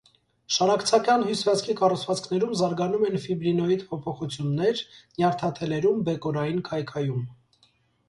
Շարակցական հյուսվածքի կառուցվածքներում զարգանում են ֆիբրինոիդ փոփոխություններ, նյարդաթելերում՝ բեկորային քայքայում։